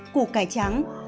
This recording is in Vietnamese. củ cải trắng